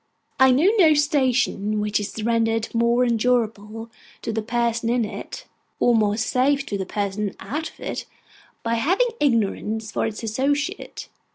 I know no station which is rendered more endurable to the person in it, or more safe to the person out of it, by having ignorance for its associate.